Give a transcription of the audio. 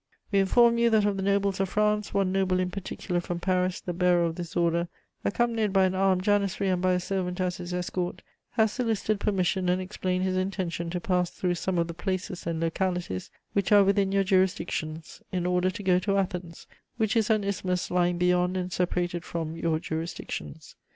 "We inform you that of the nobles of France, one noble in particular from Paris, the bearer of this order, accompanied by an armed janissary and by a servant as his escort, has solicited permission and explained his intention to pass through some of the places and localities which are within your jurisdictions in order to go to Athens, which is an isthmus lying beyond and separated from your jurisdictions.